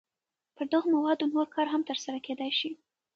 پر دغو موادو نور کار هم تر سره کېدای شي.